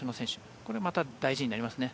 これまた大事になりますね。